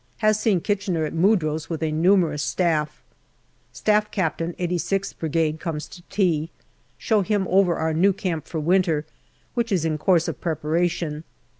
Has seen Kitchener at Mudros with a numerous Staff. Staff Captain 86th Brigade comes to tea. Show him over our new camp for winter, which is in course of preparation.